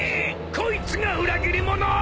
こいつが裏切り者！？］